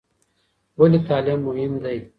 ولې تعلیم مهم دی؟